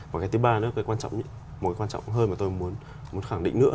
và cái thứ ba nữa cái quan trọng một cái quan trọng hơn mà tôi muốn khẳng định nữa